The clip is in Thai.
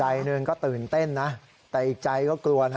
ใจหนึ่งก็ตื่นเต้นนะแต่อีกใจก็กลัวนะ